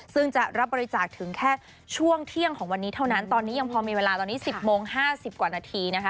ซึ่งจะรับบริจาคถึงแค่ช่วงเที่ยงของวันนี้เท่านั้นตอนนี้ยังพอมีเวลาตอนนี้๑๐โมง๕๐กว่านาทีนะคะ